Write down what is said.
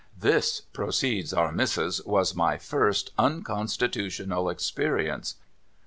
' This,' proceeds Our Missis, ' was my first unconstitutional experience.